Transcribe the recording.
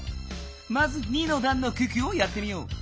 まず２のだんの九九をやってみよう。